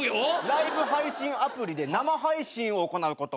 ライブ配信アプリで生配信を行うこと。